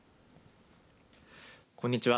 こんにちは。